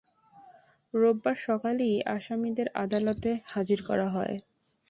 রোববার সকালেই আসামীদের আদালতে হাজির করা হয়।